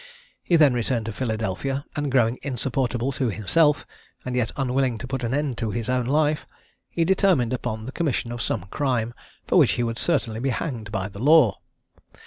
He then returned to Philadelphia, and growing insupportable to himself, and yet unwilling to put an end to his own life, he determined upon the commission of some crime, for which he would certainly be hanged by the law.